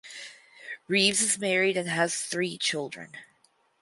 Reeves is married and has three children.